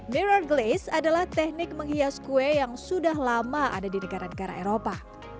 mirror glace adalah teknik menghias kue yang sudah lama ada di negara negara eropa